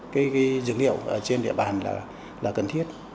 cây dược liệu trên địa bàn là cần thiết